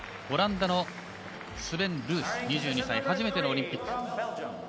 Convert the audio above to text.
オランダのスベン・ルース、２２歳初めてのオリンピック。